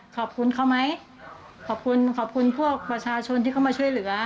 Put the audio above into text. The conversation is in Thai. ขอบคุณเขาไหมขอบคุณขอบคุณพวกประชาชนที่เข้ามาช่วยเหลือ